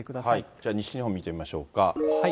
じゃあ、西日本見てみましょうか。